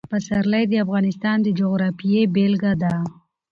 پسرلی د افغانستان د جغرافیې بېلګه ده.